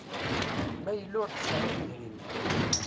Ma yella ur tesɛiḍ idrimen